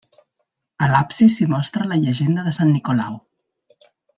A l'absis s'hi mostra la llegenda de sant Nicolau.